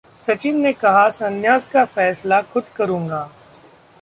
सचिन ने कहा, 'संन्यास का फैसला खुद करुंगा'